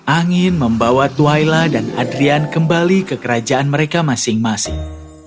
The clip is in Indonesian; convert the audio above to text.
angin membawa tuhaila dan adrian kembali ke kerajaan mereka masing masing